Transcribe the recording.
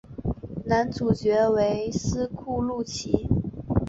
男主角为斯库路吉。